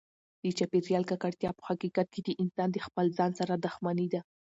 د چاپیریال ککړتیا په حقیقت کې د انسان د خپل ځان سره دښمني ده.